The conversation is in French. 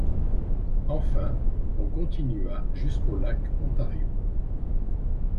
Enfin, on continua jusqu'au lac Ontario.